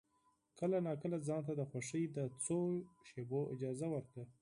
کله ناکله ځان ته د خوښۍ د څو شېبو اجازه ورکړه.